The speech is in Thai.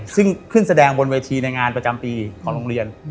ซึ่งขึ้นแสดงบนเวทีในงานประจำปีของโรงเรียน